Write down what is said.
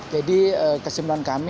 jadi kesimpulan kami